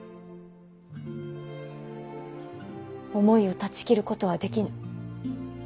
思いを断ち切ることはできぬ。